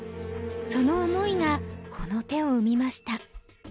その思いがこの手を生みました。